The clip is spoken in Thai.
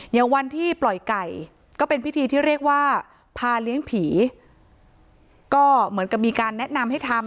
อย่างวันที่ปล่อยไก่ก็เป็นพิธีที่เรียกว่าพาเลี้ยงผีก็เหมือนกับมีการแนะนำให้ทำ